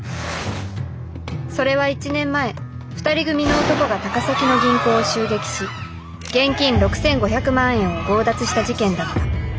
それは１年前２人組の男が高崎の銀行を襲撃し現金６，５００万円を強奪した事件だった。